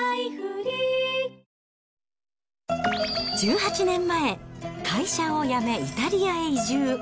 １８年前、会社を辞め、イタリアへ移住。